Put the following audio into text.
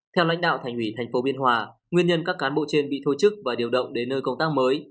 theo lãnh đạo thành ủy tp hcm nguyên nhân các cán bộ trên bị thô chức và điều động đến nơi công tác mới